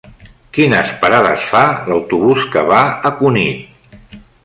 Quines parades fa l'autobús que va a Cunit?